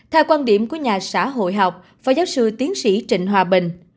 theo quan điểm của nhà xã hội học phó giáo sư tiến sĩ trịnh hòa bình